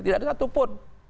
tidak ada satu pun